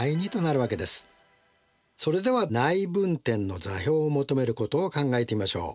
それでは内分点の座標を求めることを考えてみましょう。